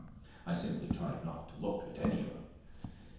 I simply tried not to look at any of them.